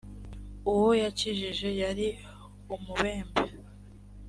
uwo yakijije yari umubembe